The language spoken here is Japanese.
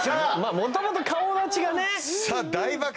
もともと顔立ちがね